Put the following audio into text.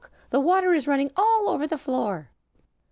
the water is running all over the floor."